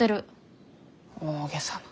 大げさな。